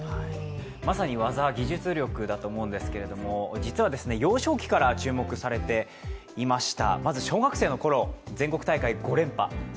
まさに技、技術力だと思うんですけれども実は幼少期から注目されていました。